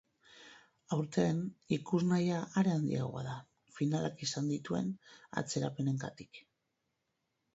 Aurten, ikusnahia are handiagoa da, finalak izan dituen atzerapenengatik.